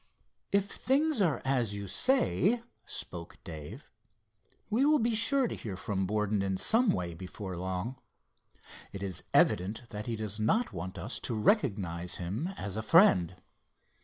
"If things are as you say," spoke Dave, "we will be sure to hear from Borden in some way before long. It is evident that he does not want us to recognize him as a friend.